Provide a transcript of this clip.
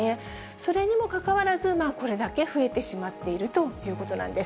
それにもかかわらず、これだけ増えてしまっているということなんです。